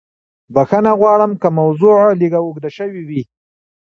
بښنه غواړم که موضوع لږه اوږده شوې وي.